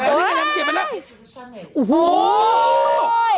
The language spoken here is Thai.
โอ้โห